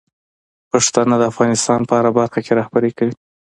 پښتانه د افغانستان په هره برخه کې رهبري کوي.